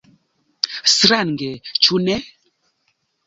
Strange, ĉu ne?